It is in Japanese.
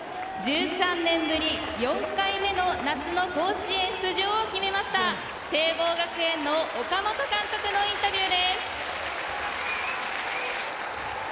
１３年ぶり４回目の夏の甲子園出場を決めました聖望学園の岡本監督のインタビューです。